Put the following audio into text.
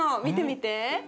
見てみて。